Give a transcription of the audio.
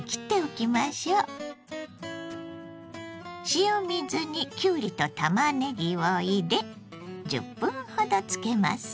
塩水にきゅうりとたまねぎを入れ１０分ほどつけます。